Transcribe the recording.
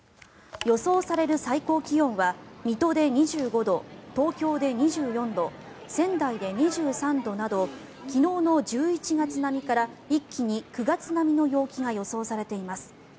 予想される最高気温は水戸で２５度、東京で２４度仙台で２３度など昨日の１１月並みから一気に９月並みの陽気が予想されています。